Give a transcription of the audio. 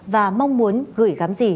và mong muốn gửi gắm gì